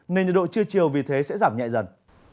nên nhiệt độ trưa chiều vì thế sẽ giảm nhẹ dần